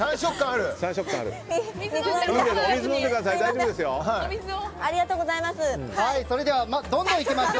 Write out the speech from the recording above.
ありがとうございます。